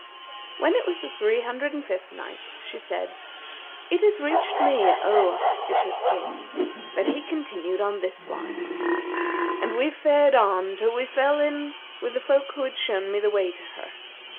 When it was the Three Hundred and Fifth Night, She said, It hath reached me, O auspicious King, that he continued on this wise: "And we fared on till we fell in with the folk who had shown me the way to her.